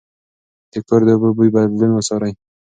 د کور د اوبو بوی بدلون وڅارئ.